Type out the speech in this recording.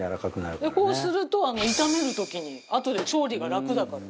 こうすると炒める時にあとで調理が楽だから。